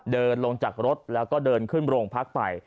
เดินลงจากรถแล้วก็เดินขึ้นโรงพักไป